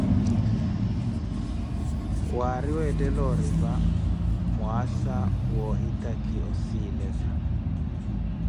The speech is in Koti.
We aari weettela oripha mwaasa wa ohitakhi osileza.